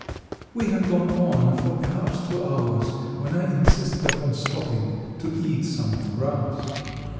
We had gone on for perhaps two hours, when I insisted upon stopping to eat some more grass.